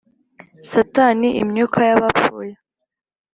Satani Imyuka y Abapfuye